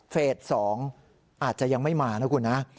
เฟส๒อาจจะยังไม่มานะคุณนะ